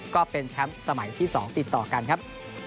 ก็เป็นแชมป์สมัยที่๒ติดต่อกันครับ